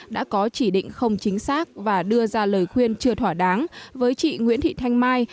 đã có chỉ định không chính xác và đưa ra lời khuyên chưa thỏa đáng với chị nguyễn thị thanh mai